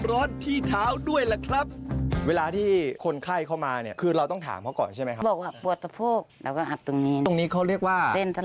เราก็อัดตรงนี้ตรงนี้เขาเรียกว่า